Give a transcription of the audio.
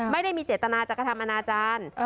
ไม่ได้มีเจตนาจักรธรรมนาอาจารย์